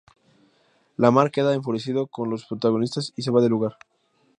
Lamar queda enfurecido con los protagonistas y se va del lugar.